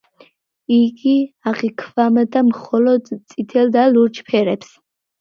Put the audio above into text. იგი აღიქვამდა მხოლოდ წითელ და ლურჯ ფერებს.